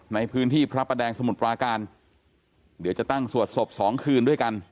ในพื้นที่พระประแดงสมุทรปราการเดี๋ยวจะตั้งสวดศพสองคืนด้วยกัน